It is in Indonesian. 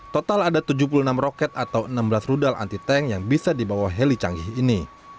total ada tujuh puluh enam roket atau enam belas rudal anti tank yang bisa dibawa heli canggih ini